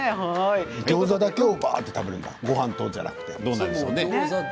ギョーザだけを食べるのか、ごはんとじゃなくて。